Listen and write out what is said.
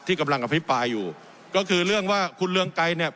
กำลังอภิปรายอยู่ก็คือเรื่องว่าคุณเรืองไกรเนี่ย